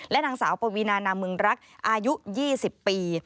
นางสาวปวีนานามึงรักอายุ๒๐ปี